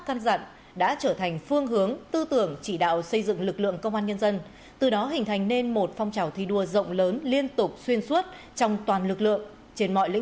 phát động phong trào thi đua học tập và làm theo lời bạc dạy trong toàn lực lượng công an